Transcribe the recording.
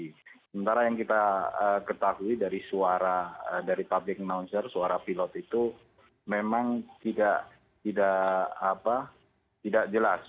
sementara yang kita ketahui dari suara dari public nouncer suara pilot itu memang tidak jelas